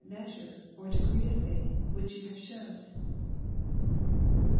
measure, or degree of faith, which you haye LUKE Vin.